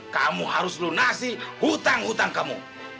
kamu harus lunasi hutang hutang kamu